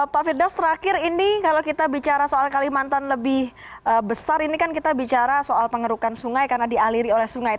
pak firdaus terakhir ini kalau kita bicara soal kalimantan lebih besar ini kan kita bicara soal pengerukan sungai karena dialiri oleh sungai